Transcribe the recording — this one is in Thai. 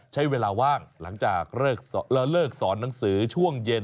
ใช้เวลาว่างหลังจากเลิกสอนหนังสือช่วงเย็น